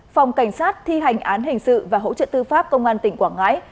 phòng cảnh sát thi hành án hình sự và hỗ trợ tư pháp công an tỉnh quảng ngãi